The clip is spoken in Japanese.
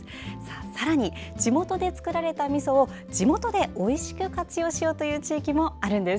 さらに、地元で作られたみそを地元でおいしく活用しようという地域もあるんです。